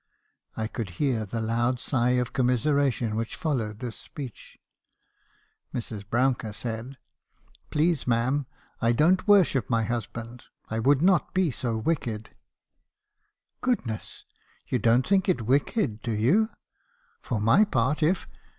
I could hear the loud sigh of commiseration which followed this speech. Mrs. Brouncker said — mb. habeison's confessions. 287 u ' Please ma'am , I don't worship my husband. I would not be so wicked.' "' Goodness !— You don't think it wicked, do you? For my part, if